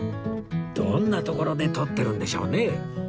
どんな所で撮ってるんでしょうね？